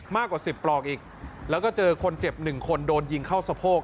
มากกว่า๑๐ปลอกอีกแล้วก็เจอคนเจ็บ๑คนโดนยิงเข้าสะโพก